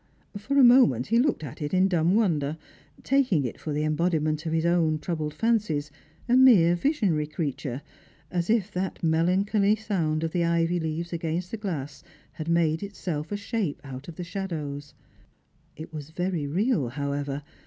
For a moment he iooked at it in dumb wonder, taking it for the embodiment of his own troubled fancies, a mere visionary creature ; as if that melancholy sound of the ivy leaves against the glass had made itself a shape out of the shadows. It was very real, however.